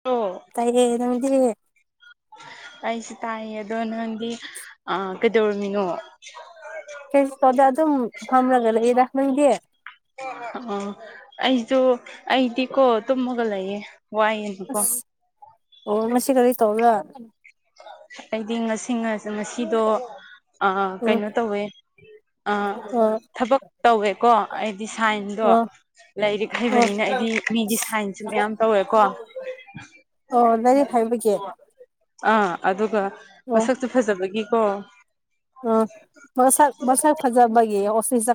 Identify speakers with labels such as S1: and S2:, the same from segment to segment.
S1: [unintelligible]
S2: ꯇꯥꯌꯦ ꯅꯪꯗꯤ
S1: ꯑꯩꯁꯨ ꯇꯥꯏꯌꯦ ꯑꯗꯣ ꯅꯪꯗꯤ ꯑꯥ ꯀꯩꯗꯧꯔꯝꯃꯤꯅꯣ [inaudible]
S2: ꯀꯩꯁꯨ ꯇꯧꯗꯦ ꯑꯗꯨꯝ ꯐꯝꯔꯒ ꯂꯩꯌꯦꯗ ꯅꯪꯗꯤ
S1: ꯑꯣ ꯑꯩꯖꯨ ꯑꯩꯗꯤꯀꯣ ꯇꯨꯝꯃꯒ ꯂꯩꯌꯦ ꯋꯥꯏꯌꯦꯅꯀꯣ
S2: ꯑꯁ ꯑꯣ ꯉꯁꯤ ꯀꯔꯤ ꯇꯧꯔꯥ
S1: ꯑꯩꯗꯤ ꯉꯁꯤ ꯉꯥ ꯉꯁꯤꯗꯣ ꯑꯥ
S2: ꯎꯝ
S1: ꯀꯩꯅꯣ ꯇꯧꯋꯦ ꯑꯥ
S2: ꯑꯣ
S1: ꯊꯕꯛ ꯇꯧꯋꯦꯀꯣ ꯑꯩꯗꯤ ꯁꯥꯏꯟꯗꯣ
S2: ꯑꯣ
S1: ꯂꯥꯏꯔꯤꯛ
S2: ꯑꯣ
S1: ꯍꯩꯕꯅꯤꯅ ꯑꯩꯗꯤ ꯃꯤꯒꯤ ꯁꯥꯏꯟꯁꯨ ꯃꯌꯥꯝ ꯇꯧꯋꯦꯀꯣ
S2: ꯑꯣ ꯂꯥꯏꯔꯤꯛ ꯍꯩꯕꯒꯤ
S1: ꯑꯥ ꯑꯗꯨꯒ ꯃꯁꯛꯇꯨ ꯐꯖꯕꯒꯤꯀꯣ
S2: ꯑꯥ ꯃꯁꯛ ꯃꯁꯛ ꯐꯖꯕꯒꯤ ꯑꯣꯐꯤꯁ ꯆꯥ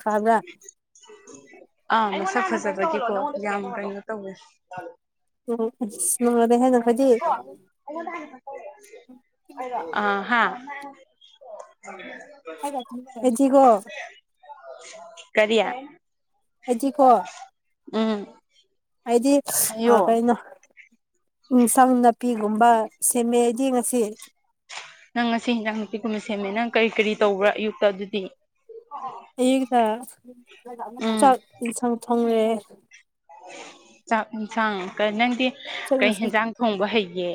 S1: ꯑꯥ ꯃꯁꯛ ꯐꯖꯕꯒꯤꯀꯣ ꯌꯥꯝ ꯀꯩꯅꯣ ꯇꯧꯋꯦ
S2: [unintelligible]
S1: ꯑꯥ ꯍꯥꯥ
S2: ꯑꯩꯗꯤꯒꯣ
S1: ꯀꯔꯤ
S2: ꯑꯩꯗꯤꯀꯣ
S1: ꯎꯝ
S2: ꯑꯩꯗꯤ ꯑꯥ
S1: ꯍꯥꯏꯌꯣ
S2: ꯀꯩꯅꯣ ꯏꯟꯁꯥꯡ ꯅꯥꯄꯤꯒꯨꯝꯕ ꯁꯦꯝꯃꯦ ꯑꯩꯗꯤ ꯉꯁꯤ
S1: ꯅꯪ ꯉꯁꯤ ꯍꯤꯡꯖꯥꯡ ꯅꯨꯄꯤꯒꯨꯝꯕ ꯁꯦꯝꯃꯦ ꯅꯪ ꯀꯔꯤ ꯀꯔꯤ ꯇꯧꯕ꯭ꯔꯥ ꯑꯌꯨꯛꯇ ꯑꯗꯨꯗꯤ
S2: ꯑꯌꯨꯛꯇ
S1: ꯎꯝ
S2: ꯆꯥꯛ ꯏꯟꯁꯥꯡ ꯊꯣꯡꯔꯦ
S1: ꯆꯥꯛ ꯏꯟꯁꯥꯡ ꯀꯥ ꯅꯪꯗꯤ
S2: ꯆꯥꯛ
S1: ꯀꯩ
S2: ꯏꯟꯁꯥꯡ
S1: ꯍꯦꯟꯖꯥꯡ ꯊꯣꯡꯕ ꯍꯩꯒꯦ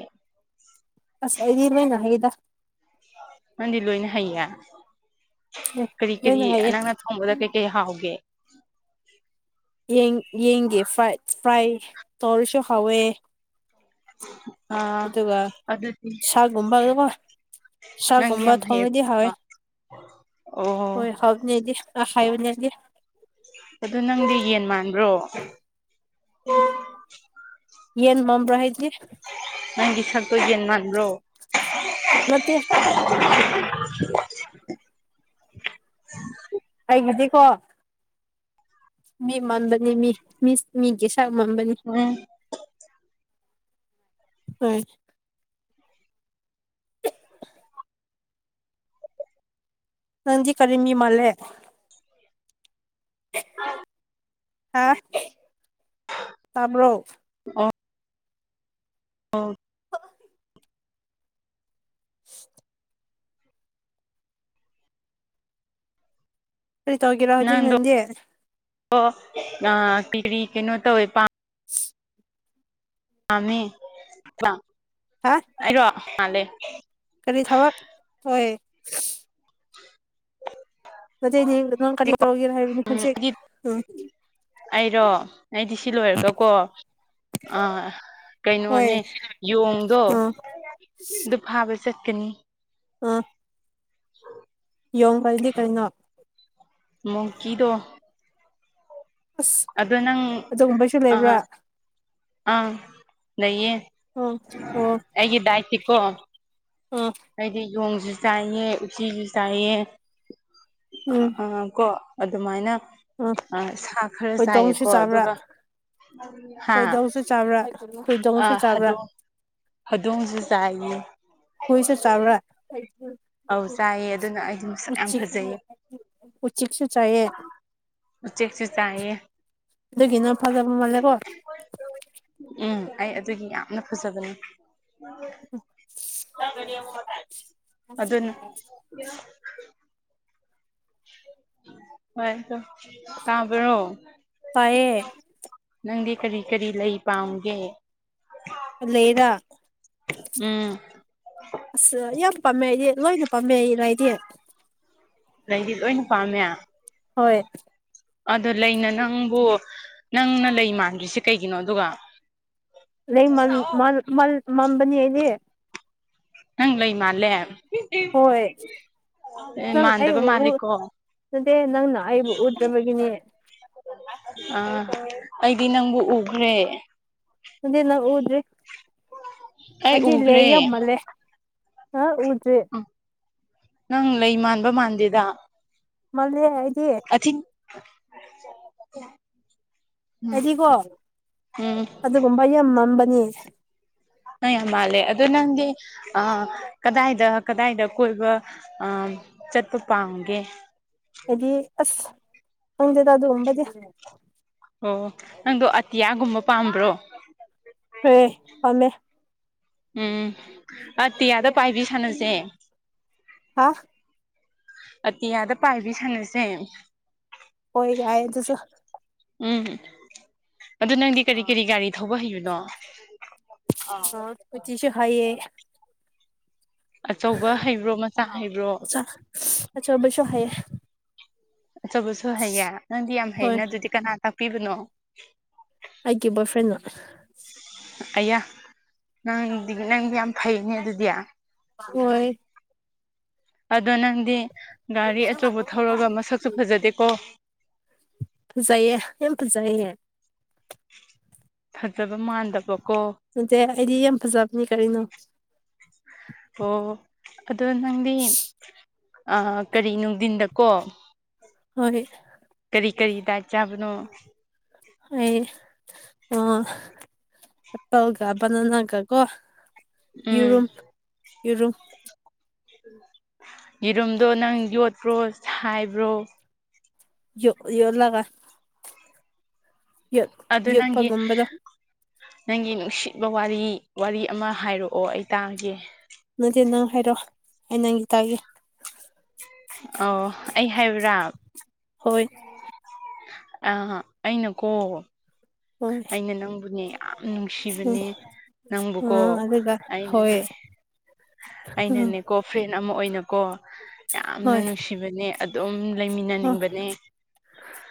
S2: ꯑꯁ ꯑꯩꯗꯤ ꯂꯣꯏꯅ ꯍꯩꯗ
S1: ꯅꯪꯗꯤ ꯂꯣꯏꯅ ꯍꯩꯌꯦ ꯀꯔꯤ ꯀꯔꯤ
S2: ꯂꯣꯏꯅ ꯍꯩꯌꯦ
S1: ꯅꯪꯅ ꯊꯣꯡꯕꯗ ꯀꯩ ꯀꯩ ꯍꯥꯎꯒꯦ
S2: ꯌꯦꯡ ꯌꯦꯡꯒꯤ ꯐꯥꯏ ꯐ꯭ꯔꯥꯏ ꯇꯧꯔꯁꯨ ꯍꯥꯎꯋꯦ
S1: [inaudible]
S2: ꯑꯗꯨꯒ
S1: ꯑꯗꯨꯗꯤ
S2: ꯁꯥꯒꯨꯝꯕꯗꯒꯣ
S1: ꯅꯪꯗꯤ
S2: ꯁꯥꯒꯨꯝꯕ
S1: ꯌꯥꯝ ꯍꯩꯌꯦ
S2: ꯊꯣꯡꯉꯗꯤ ꯍꯥꯎꯋꯦ
S1: ꯑꯣ
S2: ꯍꯣꯏ ꯍꯥꯎꯕꯅꯦ ꯑꯦꯗꯤ ꯑꯥ ꯍꯥꯏꯕꯅꯦ ꯑꯦꯗꯤ
S1: ꯑꯗꯨ ꯅꯪꯗꯤ ꯌꯦꯟ ꯃꯥꯟꯕ꯭ꯔꯣ
S2: ꯌꯦꯟ ꯃꯝꯕ꯭ꯔꯥ ꯍꯥꯏꯗꯤ
S1: ꯅꯪꯒꯤ ꯁꯛꯇꯣ ꯌꯦꯟ ꯃꯥꯟꯕ꯭ꯔꯣ
S2: ꯅꯠꯇꯦ ꯑꯩ ꯉꯁꯤ ꯀꯣ ꯃꯤ ꯃꯟꯕꯅꯤ ꯃꯤ ꯃꯤ ꯃꯤꯒꯤ ꯁꯛ ꯃꯥꯟꯕꯅꯤ
S1: ꯎꯝ
S2: [unintelligible] ꯅꯪꯗꯤ ꯀꯔꯤ ꯃꯤ ꯃꯥꯜꯂꯦ
S1: [unintelligible]
S2: ꯍꯥ ꯇꯥꯕ꯭ꯔꯣ
S1: ꯑꯣ [unintelligible]
S2: [unintelligible] ꯀꯔꯤ ꯇꯧꯒꯦꯔꯥ ꯍꯧꯖꯤꯛ ꯅꯪꯗꯤ
S1: ꯑꯣ ꯀꯔꯤ ꯀꯩꯅꯣ ꯇꯧꯋꯦ ꯄꯝ
S2: [unintelligible]
S1: ꯄꯥꯝꯃꯦ [unintelligible]
S2: ꯍꯥ
S1: ꯑꯩꯔꯣ [unintelligible]
S2: ꯀꯔꯤ ꯊꯕꯛ ꯇꯧꯏ
S1: [unintelligible]
S2: [unintelligible] ꯅꯪ ꯀꯔꯤ ꯇꯧꯒꯦꯔ ꯍꯥꯏꯕꯅꯤ
S1: ꯎꯝ
S2: ꯍꯧꯖꯤꯛ
S1: ꯑꯩꯗꯤ
S2: ꯎꯝ
S1: ꯑꯩꯔꯣ ꯑꯩꯗꯤ ꯁꯤ ꯂꯣꯏꯔꯒꯀꯣ ꯑꯥ
S2: ꯍꯣꯏ
S1: ꯀꯩꯅꯣꯅꯦ ꯌꯣꯡꯗꯣ
S2: ꯎꯝ
S1: ꯑꯗꯨ ꯐꯥꯕ ꯆꯠꯀꯅꯤ
S2: [unintelligible] ꯌꯣꯡ ꯍꯥꯏꯗꯤ ꯀꯩꯅꯣ
S1: ꯃꯣꯡꯀꯤꯗꯣ
S2: ꯑꯁ
S1: ꯑꯗꯣ ꯅꯪ
S2: ꯑꯗꯨꯒꯨꯝꯕꯁꯨ
S1: ꯑ
S2: ꯂꯩꯕ꯭ꯔꯥ
S1: ꯑꯥ ꯂꯩꯌꯦ
S2: ꯑꯣ
S1: ꯑꯩꯒꯤ ꯗꯥꯏꯠꯇꯤ ꯀꯣ
S2: ꯎꯝ
S1: ꯑꯩꯗꯤ ꯌꯣꯡꯁꯨ ꯆꯥꯏꯌꯦ ꯎꯆꯤꯁꯨ ꯆꯥꯏꯌꯦ
S2: ꯎꯝ
S1: ꯀꯣ ꯑꯗꯨꯃꯥꯏꯅ ꯑ ꯁꯥ ꯈꯔ
S2: ꯍꯣꯏꯗꯣꯡꯁꯨ
S1: ꯆꯥꯏꯌꯦꯀꯣ
S2: ꯆꯥꯕ꯭ꯔꯥ
S1: ꯑꯗꯨꯒ ꯍꯥ
S2: ꯍꯣꯏꯗꯣꯡꯁꯨ ꯆꯥꯕ꯭ꯔꯥ [unintelligible]
S1: ꯑꯥ
S2: ꯆꯥꯕ꯭ꯔꯥ
S1: ꯍꯧꯗꯣꯡ ꯍꯧꯗꯣꯡꯁꯨ ꯆꯥꯏꯌꯦ
S2: ꯍꯨꯏꯁꯨ ꯆꯥꯕ꯭ꯔ
S1: ꯑꯧ ꯆꯥꯏꯌꯦ ꯑꯗꯨꯅ ꯑꯩꯗꯨ ꯃꯁꯛ ꯌꯥꯝ ꯐꯖꯩꯌꯦ
S2: ꯎꯆꯤꯛꯁꯨ ꯆꯥꯏꯌꯦ
S1: ꯎꯆꯦꯛ ꯁꯨꯨ ꯆꯥꯏꯌꯦ
S2: ꯑꯗꯨꯒꯤꯅ ꯐꯖꯕ ꯃꯥꯜꯂꯦꯀꯣ
S1: ꯎꯝ ꯑꯩ ꯑꯗꯨꯒꯤ ꯌꯥꯝꯅ ꯐꯖꯕꯅꯤ ꯑꯗꯨꯅ
S2: [unintelligible]
S1: ꯍꯣꯏ ꯑꯗꯣ ꯇꯥꯕ꯭ꯔꯣ
S2: ꯇꯥꯏꯌꯦ
S1: ꯅꯪꯗꯤ ꯀꯔꯤ ꯀꯔꯤ ꯂꯩ ꯄꯥꯝꯒꯦ
S2: ꯂꯩ ꯔ
S1: ꯎꯝ
S2: ꯑꯁ ꯌꯥꯝ ꯄꯥꯝꯃꯦ ꯑꯩꯗꯤ ꯂꯣꯏꯅ ꯄꯥꯝꯃꯦ ꯑꯩ ꯂꯩꯗꯤ
S1: ꯂꯩꯗꯤ ꯂꯣꯏꯅ ꯄꯥꯝꯃꯦ
S2: ꯍꯣꯏ
S1: ꯑꯗ ꯂꯩꯅ ꯅꯪꯕꯨ ꯅꯪꯅ ꯂꯩ ꯃꯥꯟꯗ꯭ꯔꯤꯁꯦ ꯀꯩꯒꯤꯅꯣ ꯑꯗꯨꯒ
S2: ꯂꯩ ꯃꯜ ꯃꯥꯜ ꯃꯜ ꯃꯝꯕꯅꯤ ꯑꯩꯗꯤ꯫
S1: ꯅꯪ ꯂꯩ ꯃꯥꯜꯂꯦ
S2: ꯍꯣꯏ
S1: ꯑꯦ
S2: ꯅꯪ
S1: ꯃꯥꯟꯗꯕ
S2: ꯑꯩꯕꯨ ꯎꯨꯠ
S1: ꯃꯥꯜꯂꯤꯀꯣ
S2: ꯅꯠꯇꯦ ꯅꯪꯅ ꯑꯩꯕꯨ ꯎꯗ꯭ꯔꯤꯕꯒꯤꯅꯦ
S1: [unintelligible] ꯑꯥ ꯑꯩꯗꯤ ꯅꯪꯕꯨ ꯎꯈ꯭ꯔꯦ꯫
S2: ꯑꯩꯗꯤ ꯅꯪ ꯎꯗ꯭꯭ꯔꯤ
S1: ꯑꯩ
S2: ꯑꯩꯗꯤ ꯂꯩ
S1: ꯎꯈ꯭ꯔꯦ
S2: ꯌꯥꯝ ꯃꯥꯜꯂꯦ꯫ ꯍꯥ ꯎꯨꯗ꯭ꯔꯤ
S1: ꯅꯪ ꯂꯩ ꯃꯥꯟꯕ ꯃꯥꯟꯗꯦꯗ꯫
S2: ꯃꯥꯜꯂꯦ ꯑꯩꯗꯤ
S1: ꯑꯊꯤꯡ [unintelligible] ꯎꯝ
S2: ꯑꯩꯗꯤꯀꯣ
S1: ꯎꯝ
S2: ꯑꯗꯨꯒꯨꯝꯕ ꯌꯥꯝ ꯃꯝꯕꯅꯦ꯫
S1: ꯅꯪ ꯌꯥꯝ ꯃꯥꯜꯂꯦ ꯑꯗꯨ ꯅꯪꯗꯤ ꯑꯥ ꯀꯗꯥꯏꯗ ꯀꯗꯥꯏꯗ ꯀꯣꯏꯕ ꯑꯥ ꯆꯠꯄ ꯄꯥꯝꯒꯦ
S2: ꯑꯩꯗꯤ ꯑꯁ ꯈꯪꯗꯦꯗ ꯑꯗꯨꯒꯨꯝꯕꯗꯤ
S1: ꯑꯣ ꯅꯪꯗꯣ ꯑꯇꯤꯌꯥꯒꯨꯝꯕ ꯄꯥꯝꯕ꯭ꯔꯣ
S2: ꯍꯣꯏꯌꯦ ꯄꯥꯝꯃꯦ
S1: ꯎꯝ ꯑꯇꯤꯌꯥꯗ ꯄꯥꯏꯕꯤ ꯁꯥꯟꯅꯖꯦ꯫
S2: ꯍꯥ
S1: ꯑꯇꯤꯌꯥꯗ ꯄꯥꯏꯕꯤ ꯁꯥꯟꯅꯁꯦ꯫
S2: ꯍꯣꯏ ꯌꯥꯏ ꯑꯗꯨꯁꯨ
S1: ꯎꯝ ꯑꯗꯨ ꯅꯪꯗꯤ ꯀꯔꯤ ꯀꯔꯤ ꯒꯥꯔꯤ ꯊꯧꯕ ꯍꯩꯕꯅꯣ
S2: [unintelligible] ꯍꯩꯏꯌꯦ
S1: ꯑꯆꯧꯕ ꯍꯩꯕ꯭ꯔꯣ ꯃꯆꯥ ꯍꯩꯕ꯭ꯔꯣ
S2: [unintelligible] ꯑꯆꯧꯕꯁꯨ ꯍꯩꯌꯦ
S1: ꯑꯆꯧꯕꯁꯨ ꯍꯩꯌꯦ ꯅꯪꯗꯤ ꯌꯥꯝ ꯍꯩꯅꯦ
S2: ꯍꯣꯏ
S1: ꯑꯗꯨꯗꯤ ꯀꯅꯥ ꯇꯥꯛꯄꯤꯕꯅꯣ
S2: ꯑꯩꯒꯤ ꯕꯣꯏ ꯐ꯭ꯔꯦꯟꯅ꯫
S1: ꯑꯌꯥ ꯅꯪꯗꯤ ꯅꯪꯗꯤ ꯌꯥꯝ ꯐꯩꯅꯦ ꯑꯗꯨꯗꯤ꯫
S2: [unintelligible]
S1: ꯑꯗꯣ ꯅꯪꯗꯤ ꯒꯥꯔꯤ ꯑꯆꯧꯕ ꯊꯧꯔꯒ ꯃꯁꯛꯁꯨ ꯐꯖꯗꯦꯀꯣ꯫
S2: ꯐꯖꯩꯌꯦ ꯌꯥꯝ ꯐꯖꯩꯌꯦ꯫
S1: ꯐꯖꯕ ꯃꯥꯟꯗꯕꯀꯣ
S2: ꯅꯠꯇꯦ ꯑꯩꯗꯤ ꯌꯥꯝ ꯐꯖꯕꯅꯤ ꯀꯔꯤꯅꯣ
S1: ꯑꯣ ꯑꯗꯣ ꯅꯪꯗꯤ ꯀꯔꯤ ꯅꯨꯡꯗꯤꯟꯗꯀꯣ
S2: ꯍꯣꯏ
S1: ꯀꯔꯤ ꯀꯔꯤ ꯗꯥꯏꯠ ꯆꯥꯕꯅꯣ
S2: ꯑꯩ ꯑꯣ ꯑꯦꯄꯜꯒ ꯕꯥꯟꯅꯥꯅꯒ ꯀꯣ
S1: ꯎꯝ
S2: ꯌꯦꯔꯨꯝ ꯌꯦꯔꯨꯝ
S1: ꯌꯦꯔꯨꯝꯗꯣ ꯅꯪ ꯌꯣꯠꯄ꯭ꯔꯣ ꯁꯥꯏꯕ꯭ꯔꯣ
S2: ꯌꯣ ꯌꯣꯠꯂꯒ ꯌꯣ
S1: ꯑꯗꯨ ꯅꯪꯒꯤ
S2: ꯌꯣꯠꯄꯒꯨꯝꯕꯗꯣ
S1: ꯅꯪꯒꯤ ꯅꯨꯡꯁꯤꯕ ꯋꯥꯔꯤ ꯋꯥꯔꯤ ꯑꯃ ꯍꯥꯏꯔꯛꯑꯣ ꯑꯩ ꯇꯥꯒꯦ꯫
S2: ꯅꯠꯇꯦ ꯅꯪ ꯍꯥꯏꯔꯛꯑꯣ ꯑꯩ ꯅꯪꯒꯤ ꯇꯥꯒꯦ꯫
S1: ꯑꯣ ꯑꯩ ꯍꯥꯏꯌꯨꯔꯥ
S2: ꯍꯣꯏ
S1: ꯑ ꯑꯩꯅꯀꯣ
S2: ꯍꯣꯏ
S1: ꯑꯩꯅ ꯅꯪꯕꯨꯅꯦ ꯌꯥꯝ
S2: ꯎꯝ
S1: ꯅꯨꯡꯁꯤꯕꯅꯦ ꯅꯪꯕꯨꯀꯣ
S2: ꯑꯥ ꯑꯗꯨꯒ ꯍꯣꯏ
S1: ꯑꯩꯅꯅꯦ
S2: ꯎꯝ
S1: ꯑꯩꯅꯅꯦꯀꯣ ꯐ꯭ꯔꯦꯟ ꯑꯃ ꯑꯣꯏꯅꯀꯣ ꯌꯥꯝꯅ
S2: ꯍꯣꯏ
S1: ꯅꯨꯡꯁꯤꯕꯅꯦ ꯑꯗꯨꯝ
S2: ꯑꯣ
S1: ꯂꯩꯃꯤꯟꯅꯅꯤꯡꯕꯅꯦ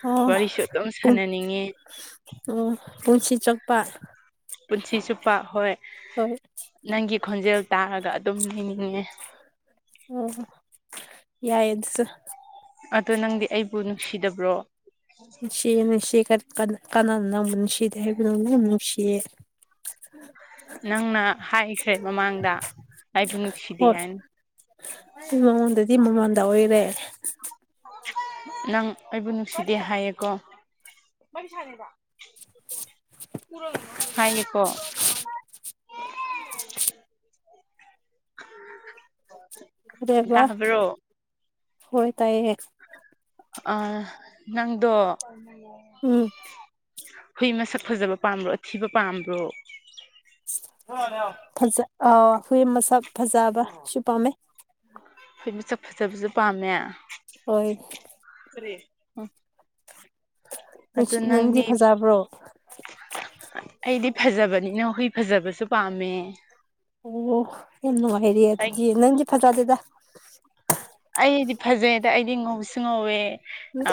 S2: ꯑꯣ
S1: ꯋꯥꯔꯤꯁꯨ ꯑꯗꯨꯝ
S2: ꯄꯨꯡ
S1: ꯁꯥꯟꯅꯅꯤꯡꯉꯤ
S2: ꯑꯣ ꯄꯨꯟꯁꯤ ꯆꯨꯞꯄ
S1: ꯄꯨꯟꯁꯤ ꯆꯨꯞꯄ ꯍꯣꯏ
S2: ꯍꯣꯏ
S1: ꯅꯪꯒꯤ ꯈꯣꯟꯖꯦꯜ ꯇꯥꯔꯒ ꯑꯗꯨꯝ ꯂꯩꯅꯤꯡꯉꯦ
S2: ꯌꯥꯏꯌꯦ ꯑꯗꯨꯁꯨ
S1: ꯑꯗꯣ ꯅꯪꯗꯤ ꯑꯩꯕꯨ ꯅꯨꯡꯁꯤꯗꯕ꯭ꯔꯣ
S2: ꯅꯨꯡꯁꯤꯌꯦ ꯅꯨꯡꯁꯤ ꯀꯥꯟꯅꯅ ꯅꯪꯕ ꯅꯨꯡꯁꯤꯗꯦ ꯍꯥꯏꯕꯅꯣ ꯌꯥꯝ ꯅꯨꯡꯁꯤꯌꯦ
S1: ꯅꯪꯅ ꯍꯥꯏꯈ꯭ꯔꯦ ꯃꯃꯥꯡꯗ ꯑꯩꯕꯨ
S2: [unintelligible]
S1: ꯅꯨꯡꯁꯤꯗꯦ
S2: ꯍꯣꯏ
S1: ꯍꯥꯏꯅ
S2: ꯃꯉꯣꯟꯗꯗꯤ ꯃꯃꯥꯡꯗ ꯑꯣꯏꯔꯦ
S1: ꯅꯪ ꯑꯩꯕꯨ ꯅꯨꯡꯁꯤꯗꯦ ꯍꯥꯏꯌꯦꯀꯣ ꯍꯥꯏꯅꯦꯀꯣ
S2: [unintelligible] ꯗꯦꯕ
S1: ꯇꯥꯕ꯭ꯔꯣ
S2: ꯍꯣꯏ ꯇꯥꯏꯌꯦ
S1: ꯑ ꯅꯪꯗꯣ
S2: ꯎꯝ
S1: ꯍꯨꯏ ꯃꯁꯛ ꯐꯖꯕ ꯄꯥꯝꯕ꯭ꯔꯣ ꯑꯊꯤꯕ ꯄꯥꯝꯕ꯭ꯔꯣ
S2: ꯐꯖ ꯑꯥꯎ ꯍꯨꯏ ꯃꯁꯛ ꯐꯖꯕꯁꯨ ꯄꯥꯝꯃꯦ
S1: ꯍꯨꯏ ꯃꯁꯛ ꯐꯖꯕꯁꯨ ꯄꯥꯝꯃꯦ
S2: ꯍꯣꯏ
S1: ꯎ
S2: ꯅꯪꯗꯤ ꯐꯖꯕ꯭ꯔꯣ
S1: ꯑꯩꯗꯤ ꯐꯖꯕꯅꯤꯅ ꯍꯨꯏ ꯐꯖꯕꯁꯨ ꯄꯥꯝꯃꯦ
S2: ꯑꯣ ꯌꯥꯝ ꯅꯨꯡꯉꯥꯏꯔꯦ
S1: ꯑꯩ
S2: ꯑꯗꯨꯗꯤ ꯅꯪꯗꯤ ꯐꯖꯗꯦꯗ
S1: ꯑꯩꯗꯤ ꯐꯖꯩ ꯑꯗ ꯑꯩꯗꯤ ꯉꯧꯕꯁꯨ ꯉꯧꯋꯦ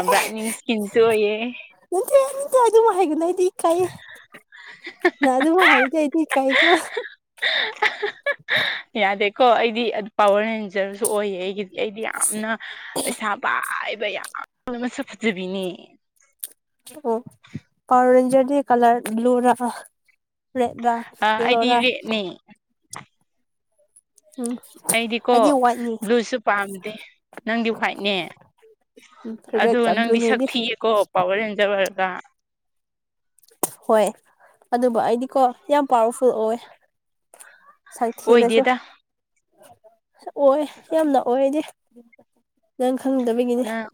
S1: ꯕ꯭ꯔꯥꯏꯠꯅꯤꯡ ꯏꯁꯀꯤꯟꯁꯨ ꯑꯣꯏꯑꯦ
S2: ꯅꯇꯦ ꯅꯇꯦ ꯑꯗꯨꯝ ꯍꯥꯏꯩꯒꯅꯣ ꯑꯩꯗꯤ ꯏꯀꯥꯏꯌꯦ ꯑꯗꯨ ꯃꯍ ꯍꯥꯏꯔ ꯆꯇ ꯀꯥꯏ ꯈ
S1: ꯌꯥꯗꯦꯀꯣ ꯑꯩꯗꯤ ꯄꯋꯥꯔ ꯔꯦꯟꯖꯔꯁꯨ ꯑꯣꯏꯌꯦ ꯑꯩꯒꯤꯗꯤ ꯑꯩꯗꯤ ꯌꯥꯝꯅ ꯄꯩꯁꯥ ꯄꯥꯏꯕ ꯌꯥꯝꯅꯁꯨ ꯐꯖꯕꯤꯅꯦ
S2: ꯑꯣ ꯑꯔꯔꯦꯟꯖꯔꯗꯤ ꯀꯂꯔ ꯕ꯭ꯂꯨꯔꯥ ꯔꯦꯠ ꯔ
S1: ꯑ ꯑꯩꯗꯤ
S2: ꯌꯦꯂꯣꯔ
S1: ꯔꯦꯠꯅꯦ
S2: ꯎꯝ
S1: ꯑꯩꯗꯤꯀꯣ
S2: ꯑꯩꯗꯤ ꯋꯥꯏꯠꯅꯤ
S1: ꯕ꯭ꯂꯨꯁꯨ ꯄꯥꯝꯗꯦ ꯅꯪꯗꯤ ꯍ꯭ꯋꯥꯏꯠꯅꯦ
S2: ꯎꯝ
S1: ꯑꯗꯣ
S2: ꯔꯦꯗꯀ
S1: ꯅꯪꯗꯤ
S2: ꯕ꯭ꯂꯨꯅꯦ
S1: ꯁꯛ
S2: ꯑꯩꯗꯤ
S1: ꯊꯤꯌꯦꯀꯣ ꯄꯋꯔ ꯔꯦꯟꯖꯔ ꯑꯣꯏꯔꯒ
S2: ꯍꯣꯏ ꯑꯗꯨꯕꯨ ꯑꯩꯗꯤꯀꯣ ꯌꯥꯝ ꯄꯋꯥꯔꯐꯨꯜ ꯑꯣꯏ ꯁꯛ ꯊꯤꯔꯁꯨ
S1: ꯑꯣꯏꯗꯦꯗ
S2: ꯑꯣꯏ ꯌꯥꯝꯅ ꯑꯣꯏꯗꯤ ꯅꯪ ꯈꯪꯗꯕꯒꯤꯅꯦ
S1: ꯅꯪ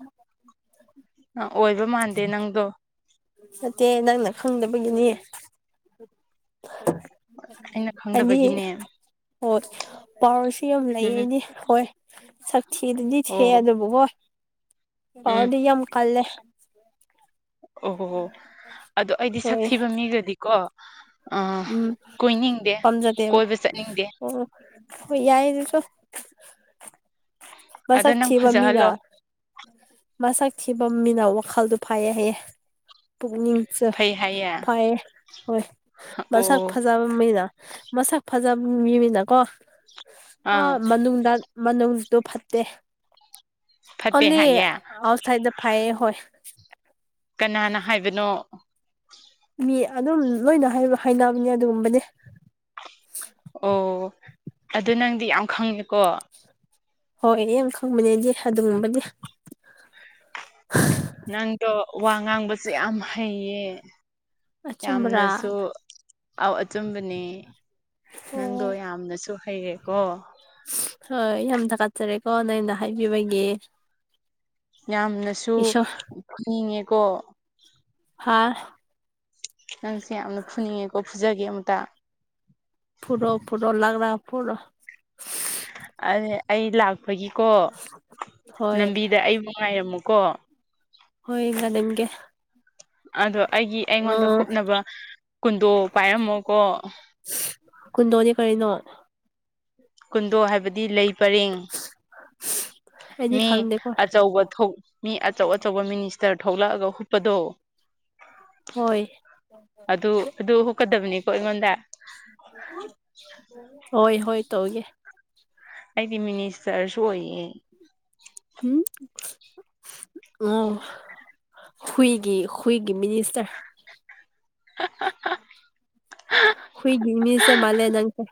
S1: ꯑꯣꯏꯕ ꯃꯥꯟꯗꯦ ꯅꯪꯗꯣ
S2: ꯅꯠꯇꯦ ꯅꯪꯅ ꯈꯪꯗꯕꯒꯤꯅꯦ
S1: ꯑꯩꯅ
S2: ꯑꯩꯅꯤ
S1: ꯈꯪꯗꯕꯒꯤꯅꯦ
S2: ꯍꯣꯏ ꯄꯥꯎꯔꯁꯨ ꯌꯥꯝ ꯂꯩ
S1: ꯎꯝ
S2: ꯑꯩꯗꯤ ꯍꯣꯏ ꯁꯛ ꯊꯤ ꯑꯗꯨꯗꯤ ꯊꯦ
S1: ꯑꯣ
S2: ꯑꯗꯨꯕꯨ ꯍꯣꯏ
S1: ꯎꯝ
S2: ꯍꯥꯎꯗꯤ ꯌꯥꯝꯝ ꯀꯜꯂꯦ
S1: ꯑꯣꯍꯣꯍꯣ ꯑꯗꯣ ꯑꯩꯗꯤ ꯁꯛ
S2: ꯍꯣꯏ
S1: ꯊꯤꯕ ꯃꯤꯒꯗꯤ ꯀꯣ ꯑꯥ
S2: ꯎꯝ
S1: ꯀꯣꯏꯅꯤꯡꯗꯦ ꯀꯣꯏꯕ ꯆꯠꯅꯤꯡꯗꯦ
S2: ꯑꯣ ꯍ ꫭꯏ ꯌꯥꯏ ꯑꯗꯨꯁꯨ
S1: ꯑꯗꯣ ꯅꯪ
S2: ꯃꯁꯛꯈꯤꯕ ꯃꯤꯅ
S1: ꯐꯖꯍꯜꯂꯣ
S2: ꯃꯁꯛ ꯊꯤꯕ ꯃꯤꯅꯥꯎ ꯋꯥꯈꯜꯗꯣ ꯐꯥꯏꯌꯦ ꯍꯥꯏꯌꯦ ꯄꯨꯛꯅꯤꯡ
S1: ꯐꯩ ꯍꯥꯏꯌꯦ
S2: ꯐꯥꯏꯌꯦ ꯍꯣꯏ ꯃꯁꯛ
S1: ꯑꯣ
S2: ꯐꯖꯕ ꯃꯤꯅ ꯃꯁꯛ ꯐꯖꯕ ꯃꯤꯃꯤꯅꯀꯣ
S1: ꯑꯥ
S2: ꯃꯅꯨꯡꯗ ꯃꯅꯨꯡꯗꯗꯨꯣ
S1: ꯐꯠꯇꯦ
S2: ꯑꯣꯂꯤ
S1: ꯍꯥꯏꯌꯦ
S2: ꯑꯥꯎꯠꯁꯥꯏꯠ ꯗ ꯐꯥꯏꯌꯦ ꯍꯣꯏ
S1: ꯀꯅꯥꯅ ꯍꯥꯏꯕꯅꯣ
S2: ꯃꯤ ꯑꯗꯨꯝ ꯂꯣꯏꯅ ꯍꯥꯏꯅꯕꯅꯤ ꯑꯗꯨꯒꯨꯝꯕꯅꯗꯤ
S1: ꯑꯣ ꯑꯗꯨ ꯅꯪꯗꯤ ꯌꯥꯝ ꯈꯪꯉꯦꯀꯣ
S2: ꯍꯣꯏ ꯌꯥꯝ ꯈꯪꯕꯅꯦꯗꯤ ꯑꯗꯨꯒꯨꯝꯕꯗꯤ
S1: ꯅꯪꯗꯣ ꯋꯥ ꯉꯥꯡꯕꯁꯨ ꯌꯥꯝ ꯍꯩꯌꯦ
S2: ꯑꯆꯨꯝꯕ꯭ꯔꯥ
S1: ꯌꯥꯝꯅꯁꯨ ꯑꯧ ꯑꯆꯨꯝꯕꯅꯦ ꯅꯪꯗꯣ
S2: ꯍꯣꯏ
S1: ꯌꯥꯝꯅꯁꯨ ꯍꯩꯌꯦꯀꯣ
S2: ꯍꯣꯏ ꯌꯥꯝ ꯊꯥꯒꯠꯆꯔꯦꯀꯣ ꯅꯪꯅ ꯍꯥꯏꯕꯤꯕꯒꯤ
S1: ꯌꯥꯝꯅꯁꯨ
S2: ꯏꯁꯣꯔ
S1: ꯅꯤꯡꯉꯦꯀꯣ
S2: ꯍꯥ
S1: ꯅꯪꯁꯦ ꯌꯥꯝꯅ ꯐꯨꯅꯤꯡꯉꯦꯀꯣ ꯐꯨꯖꯒꯦ ꯑꯃꯨꯛꯇ
S2: ꯐꯨꯔꯣ ꯐꯨꯔꯣ ꯂꯒ꯭ꯔꯥ ꯐꯨꯔꯣ
S1: ꯑꯥ ꯑꯩ ꯂꯥꯛꯄꯒꯤꯀꯣ
S2: ꯍꯣꯏ
S1: ꯂꯝꯕꯤꯗ ꯑꯩꯕꯨ ꯉꯥꯏꯔꯝꯃꯨꯀꯣ
S2: ꯍꯣꯏ ꯉꯥꯏꯅꯝꯒꯦ
S1: ꯑꯗꯣ ꯑꯩꯒꯤ ꯑꯩꯉꯣꯟꯗ ꯍꯨꯞꯅꯕ ꯀꯨꯟꯗꯣ ꯄꯥꯏꯔꯝꯃꯣꯀꯣ
S2: ꯀꯨꯟꯗꯣꯗꯤ ꯀꯔꯤꯅꯣ
S1: ꯀꯨꯟꯗꯣ ꯍꯥꯏꯕꯗꯤ ꯂꯩ ꯄꯔꯦꯡ
S2: ꯑꯩꯗꯤ
S1: ꯃꯤ
S2: ꯈꯪꯗꯦꯀꯣ
S1: ꯑꯆꯧꯕ ꯊꫭ ꯃꯤ ꯑꯆꯧ ꯑꯆꯧꯕ ꯃꯤꯅꯤꯁꯇꯔ ꯊꯣꯛꯂꯛꯑꯒ ꯍꯨꯨꯞꯄꯗꯣ
S2: ꯍꯣꯏ
S1: ꯑꯗꯨ ꯑꯗꯨ ꯍꯨꯀꯗꯕꯅꯤꯀꯣ ꯑꯩꯉꯣꯟꯗ
S2: ꯍꯣꯏ ꯍꯣꯏ ꯇꯧꯒꯦ
S1: ꯑꯩꯗꯤ ꯃꯤꯅꯤꯁꯇꯔꯁꯨ ꯑꯣꯏꯌꯦ
S2: ꯎꯝ ꯑꯣ ꯍꯨꯏꯒꯤ ꯍꯨꯏꯒꯤ ꯃꯤꯅꯤ ꯏꯁꯇꯔ
S1: [unintelligible]
S2: ꯍꯒ ꯃꯤꯁꯦ ꯃꯥꯂꯦ ꯅꯪꯁꯦ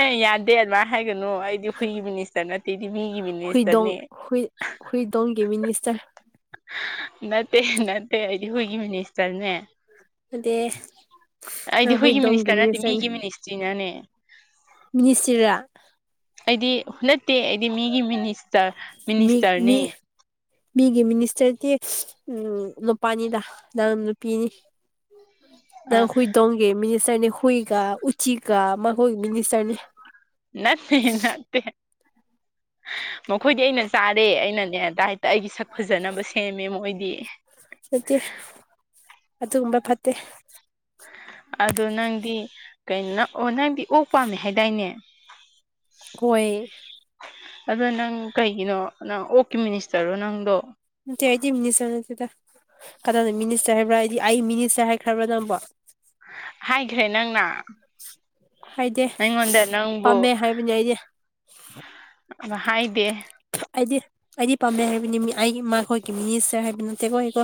S1: ꯑꯦ ꯌꯥꯗꯦ ꯑꯗꯨꯃꯥꯏꯅ ꯍꯥꯏꯒꯅꯨ ꯑꯩꯗꯤ ꯍꯨꯏꯒꯤ ꯃꯤꯅꯤꯁꯇꯔ ꯅꯠꯇꯦꯗꯤ ꯃꯤꯒꯤ ꯃꯤꯅꯤꯁꯇꯔꯅꯦ
S2: ꯍꯨꯏꯗꯣꯡ ꯍꯨꯏ ꯍꯨꯏ ꯗꯣꯡꯒꯤ ꯃꯤꯅꯤꯁꯇꯔ
S1: ꯅꯠꯇꯦ ꯅꯠꯇꯦ ꯑꯩꯗꯤ ꯍꯒꯤ ꯃꯅꯤꯁꯇꯔꯅꯦ
S2: ꯅꯠꯇꯦ
S1: ꯑꯩꯗꯤ
S2: ꯅꯪ
S1: ꯍꯨꯏꯒꯤ
S2: ꯍꯨꯏꯗꯣꯡꯒꯤ
S1: ꯃꯤꯅꯤꯁꯇꯔ ꯅꯠꯇꯦ
S2: ꯃꯤꯅꯤꯁꯇꯔꯅꯦ
S1: ꯃꯤꯒꯤ ꯃꯤꯅꯤꯁꯇ꯭ꯔꯤꯅꯅꯦ
S2: ꯃꯤꯅꯤꯁꯇꯔꯥ
S1: ꯑꯩꯗꯤ ꯅꯠꯇꯦ ꯑꯩꯗꯤ ꯃꯤꯒꯤ ꯃꯤꯅꯤꯁꯇꯔ
S2: ꯃꯤ
S1: ꯃꯤꯅꯤꯁꯇꯔꯅꯤ
S2: ꯃꯤ ꯃꯤꯒꯤ ꯃꯤꯅꯤꯁꯇꯔꯗꯤ ꯎꯝ ꯅꯨꯄꯥꯅꯤꯗ ꯅꯪ ꯅꯨꯄꯤꯅꯤ [unintelligible] ꯅꯪ
S1: ꯑꯥ
S2: ꯍꯨꯏꯗꯣꯡꯒꯦ ꯃꯤꯅꯤꯁꯇꯔꯅꯦ ꯍꯨꯏꯀ ꯎꯆꯤꯒ ꯃꯥꯈꫭꯏꯒꯤ ꯃꯤꯅꯤꯁꯇꯔꯅꯦ
S1: ꯅꯠꯇꯦ ꯅꯠꯇꯦ ꯃꯈꯣꯏꯗꯤ ꯑꯩꯅ ꯆꯥꯔꯦ ꯑꯩꯅꯅꯦ ꯗꯥꯏꯠ ꯑꯩꯒꯤ ꯁꯛ ꯐꯖꯅꯕ ꯁꯦꯝꯃꯦ ꯃꯣꯏꯗꯤ
S2: ꯐꯠꯇꯦ ꯑꯗꯨꯒꯨꯝꯕ ꯐꯠꯇꯦ
S1: ꯑꯗꯣ ꯅꯪꯗꯤ ꯀꯩꯅꯣ ꯅꯪ ꯅꯪꯗꯤ ꯑꯣꯛ ꯄꯥꯝꯃꯦ ꯍꯥꯏꯗꯥꯏꯅꯦ
S2: ꯍꯣꯏ
S1: ꯑꯗꯣ ꯅꯪ ꯀꯩꯒꯤꯅꯣ ꯅꯪ ꯑꯣꯛꯀꯤ ꯃꯤꯅꯤꯁꯇꯔꯔꯣ ꯅꯪꯗꯣ
S2: ꯅꯠꯇꯦ ꯑꯩꯗꯤ ꯃꯤꯅꯤꯁꯇꯔ ꯅꯠꯇꯦꯗ ꯀꯗꯥꯏꯗ ꯃꯤꯅꯤꯁꯇꯔ ꯍꯥꯏꯕ꯭ꯔꯥ ꯑꯩꯗꯤ ꯑꯩ ꯃꯤꯅꯤꯁꯇꯔ ꯍꯥꯏꯈ꯭ꯔꯕ꯭ꯔꯣ ꯅꯪꯕꯣ
S1: ꯍꯥꯏꯈ꯭ꯔꯦ ꯅꯪꯅ
S2: ꯍꯥꯏꯗꯦ
S1: ꯑꯩꯉꯣꯟꯗ ꯅꯪꯕꯨ
S2: ꯄꯥꯝꯃꯦ ꯍꯥꯏꯕꯅꯤ ꯑꯩꯗꯤ
S1: ꯑꯥ ꯍꯥꯏꯗꯦ
S2: ꯑꯩꯗꯤ ꯑꯩꯗꯤ ꯄꯥꯝꯃꯦ ꯍꯥꯏꯕꯅꯤ ꯃꯤ ꯑꯩꯒꯤ ꯃꯈꯣꯏꯒꯤ ꯃꯤꯅꯤꯁꯇꯔ ꯍꯥꯏꯕ ꯅꯠꯇꯦꯀꯣ ꯑꯩꯀꯣ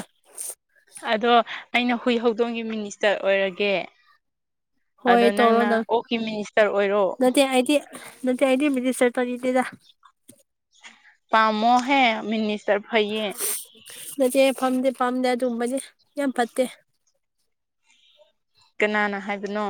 S1: ꯑꯗꯣ ꯑꯩꯅ ꯍꯨꯏ ꯍꯧꯗꯣꯡꯒꯤ ꯃꯤꯅꯤꯁꯇꯔ ꯑꯣꯏꯔꯒꯦ
S2: ꯍꯣꯏ
S1: ꯑꯗꯣ ꯅꯪꯅ ꯑꯣꯛꯀꯤ ꯃꯤꯅꯤꯁꯇꯔ ꯑꯣꯏꯔꯣ
S2: ꯍꯥꯏꯗꯤ ꯅꯠꯇ ꯑꯩꯗꯤ ꯃꯤꯅꯤꯁꯇꯔ ꯇꯧꯅꯤꯡꯗꯦꯗ
S1: ꯄꯝꯃꯣꯍꯦ ꯃꯤꯅꯤꯁ
S2: ꯅꯠꯇꯦ ꯐꯝꯗꯦ ꯄꯥꯝꯗꯦ ꯑꯗꯨꯒꯨꯝꯕꯗꯤ ꯌꯥꯝ ꯐꯠꯇꯦ
S1: ꯀꯅꯥꯅ ꯍꯥꯏꯕꯅꯣ